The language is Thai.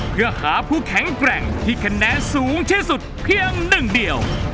เพื่อหาผู้แข็งแกร่งที่คะแนนสูงที่สุดเพียงหนึ่งเดียว